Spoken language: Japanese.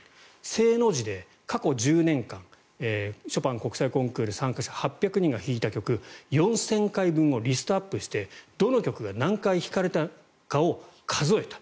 正の字で、過去１０年間ショパン国際ピアノコンクール参加者８００人が弾いた曲４０００回分をリストアップしてどの曲が何回弾かれたかを数えた。